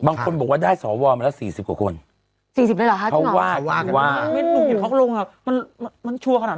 บางคนบอกว่าได้สอวรมาแล้ว๔๐กว่าคน